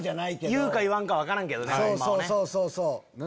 言うか言わんか分からんけどね。